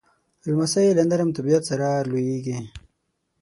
لمسی له نرم طبیعت سره لویېږي.